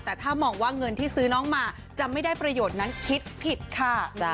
แต่ถ้ามองว่าเงินที่ซื้อน้องมาจะไม่ได้ประโยชน์นั้นคิดผิดค่ะ